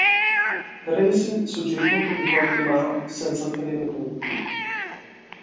Racing sul circuito di Portimão, senza ottenere punti.